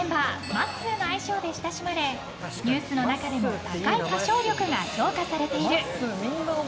まっすーの愛称で親しまれＮＥＷＳの中でも高い歌唱力が評価されている。